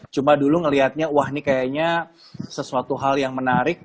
cuma dulu ngelihatnya wah ini kayaknya sesuatu hal yang menarik